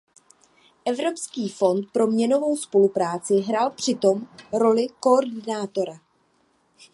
Evropský fond pro měnovou spolupráci hrál přitom roli koordinátora.